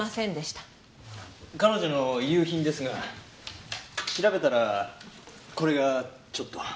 彼女の遺留品ですが調べたらこれがちょっと。